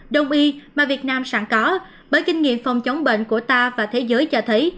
đông y mà việt nam sẵn có bởi kinh nghiệm phòng chống bệnh của ta và thế giới cho thấy